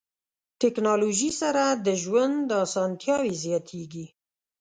ټکنالوژي سره د ژوند اسانتیاوې زیاتیږي.